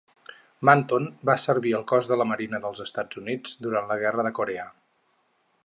Manton va servir al cos de la Marina dels Estats Units durant la guerra de Corea.